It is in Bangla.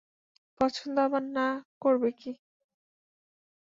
পছন্দ আবার না করবে কী?